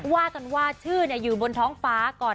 ว่ากันว่าชื่ออยู่บนท้องฟ้าก่อน